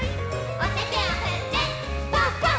おててをふってパンパン！